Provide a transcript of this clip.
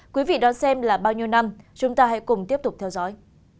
quý vị đón xem là bao nhiêu năm chúng ta hãy cùng tiếp tục theo dõi